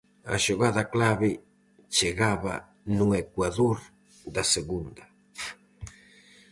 A xogada clave chegaba no ecuador da segunda.